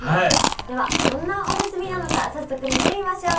ではどんなおむすびなのか早速見てみましょう！